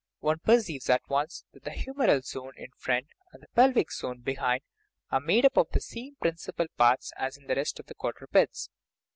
One perceives at once that the humeral zone in front and the pelvic zone be hind are made up of the same principal parts as in the rest of the quadrupeds.